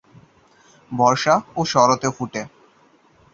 বর্ষা ও শরতে ফোটে।